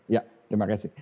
ya terima kasih